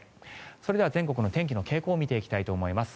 それでは全国の天気の傾向を見ていきたいと思います。